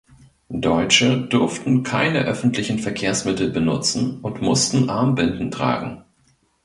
Deutsche durften keine öffentlichen Verkehrsmittel benutzen und mussten Armbinden tragen.